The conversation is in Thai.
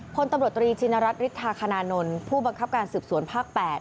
พลตำรวจตรีชินรัฐฤทธาคณานนท์ผู้บังคับการสืบสวนภาค๘